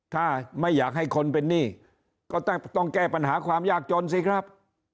ถ้าไม่อยากให้คนเป็นหนี้ก็ต้องแก้ปัญหาความยากจนสิครับ